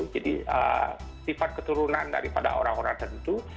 jadi sifat keturunan daripada orang orang tertentu